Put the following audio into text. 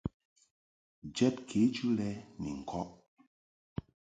Jɛd kejɨ lɛ ni ŋkɔʼ .